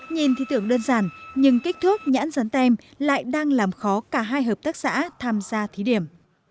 nhìn thì tưởng đơn giản nhưng kích thước nhãn rán tem lại đang làm khó cả hai hợp tác xã tham gia thí điểm